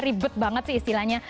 ribet banget sih istilahnya